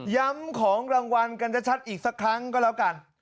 ของรางวัลกันชัดอีกสักครั้งก็แล้วกัน